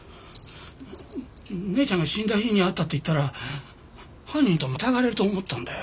姉ちゃんが死んだ日に会ったって言ったら犯人と疑われると思ったんだよ。